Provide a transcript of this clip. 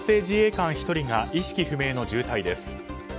自衛官１人が意識不明の重体です。